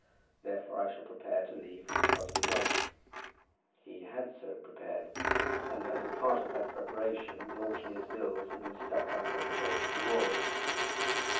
Therefore, I shall prepare to leave Cosby Lodge." He had so prepared; and as a part of that preparation, the auctioneer's bills had been stuck up on the posts and walls.